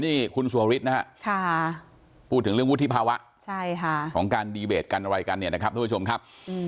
นี่คุณสุวริสนะฮะพูดถึงเรื่องวุฒิภาวะของการดีเบตกันอะไรกันเนี่ยนะครับทุกผู้ชมครับ